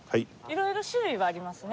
色々種類はありますね。